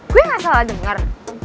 gue gak salah denger